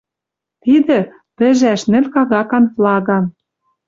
Тидӹ — пӹжӓш нӹл кагакан флаган